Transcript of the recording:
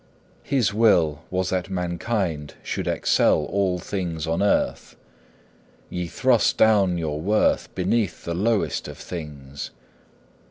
His will was that mankind should excel all things on earth. Ye thrust down your worth beneath the lowest of things.